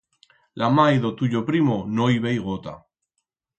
La mai d'o tuyo primo no i vei gota.